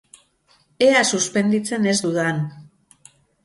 Ea suspenditzen ez dudan!